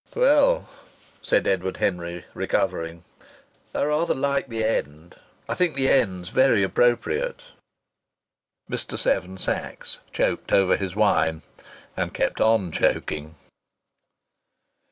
'" "Well," said Edward Henry, recovering, "I rather like the end. I think the end's very appropriate." Mr. Seven Sachs choked over his wine, and kept on choking.